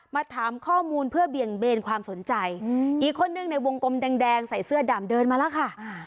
มาถามข้อมูลเพื่อเบี่ยงเบนความสนใจอีกคนนึงในวงกลมแดงใส่เสื้อดำเดินมาแล้วค่ะ